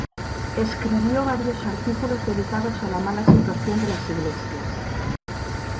Escribió varios artículos dedicados a la mala situación de las iglesias.